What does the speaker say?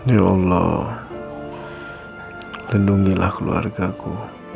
ya allah lindungilah keluargaku